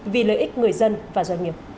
vì lợi ích người dân và doanh nghiệp